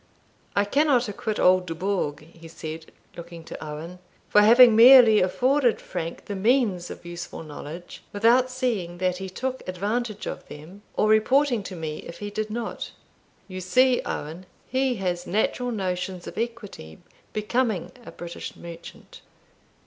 I cannot acquit old Dubourg," he said, looking to Owen, "for having merely afforded Frank the means of useful knowledge, without either seeing that he took advantage of them or reporting to me if he did not. You see, Owen, he has natural notions of equity becoming a British merchant."